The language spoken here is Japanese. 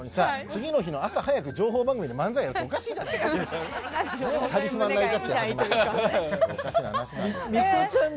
次の日の朝早くに情報番組で漫才やるっておかしいじゃん。